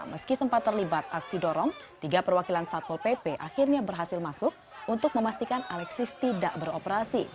meski sempat terlibat aksi dorong tiga perwakilan satpol pp akhirnya berhasil masuk untuk memastikan alexis tidak beroperasi